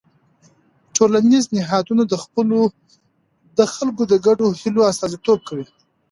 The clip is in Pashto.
ټولنیز نهادونه د خلکو د ګډو هيلو استازیتوب کوي.